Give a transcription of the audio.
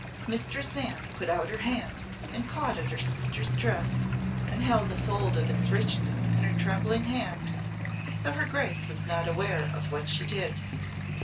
Mistress Anne put out her hand and caught at her sister's dress and held a fold of its richness in her trembling hand, though her Grace was not aware of what she did.